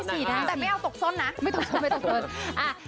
กับเพลงที่มีชื่อว่ากี่รอบก็ได้